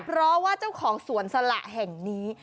เพราะว่าเจ้าของสวนสละแห่งนี้